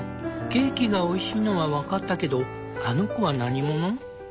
ケーキがおいしいのは分かったけどあの子は何者？